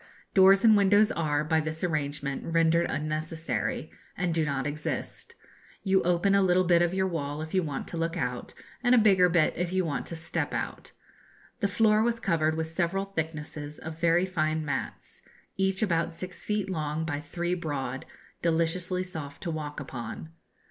Doors and windows are, by this arrangement, rendered unnecessary, and do not exist. You open a little bit of your wall if you want to look out, and a bigger bit if you want to step out. The floor was covered with several thicknesses of very fine mats, each about six feet long by three broad, deliciously soft to walk upon.